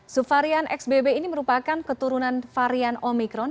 subvarian xbb ini merupakan keturunan varian omikron